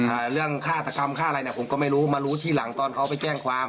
อ่าเรื่องฆาตกรรมฆ่าอะไรเนี้ยผมก็ไม่รู้มารู้ทีหลังตอนเขาไปแจ้งความ